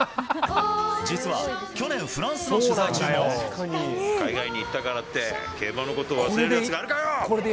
実は、去年、フランスの取材海外に行ったからって、競馬のことを忘れるやつがあるかよ！